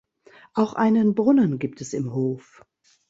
Auch einen Brunnen gibt es im Hof.